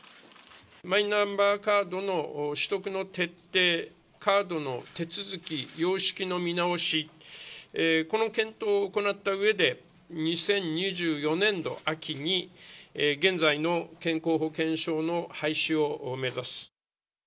マイナンバーカードの取得の徹底、カードの手続き、様式の見直し、この検討を行ったうえで、２０２４年度秋に現在の健康保険証の廃止を目指す。